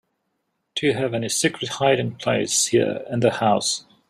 Do you have any secret hiding place here in the house?